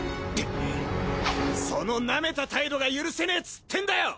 そのナメた態度が許せねえっつってんだよ！